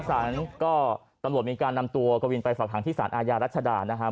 สารก็ตำรวจมีการนำตัวกวินไปฝากหางที่สารอาญารัชดานะครับ